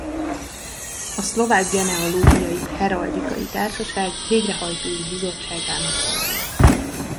A Szlovák Genealógiai Heraldikai Társaság végrehajtói bizottságának tagja.